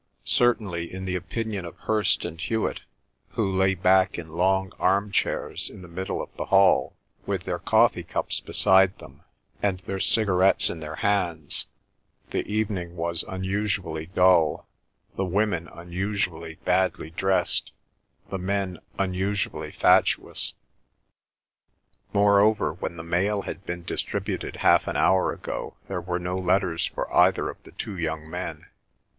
Certainly, in the opinion of Hirst and Hewet, who lay back in long arm chairs in the middle of the hall, with their coffee cups beside them, and their cigarettes in their hands, the evening was unusually dull, the women unusually badly dressed, the men unusually fatuous. Moreover, when the mail had been distributed half an hour ago there were no letters for either of the two young men.